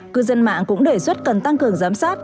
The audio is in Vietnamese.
cư dân mạng cũng đề xuất cần tăng cường giám sát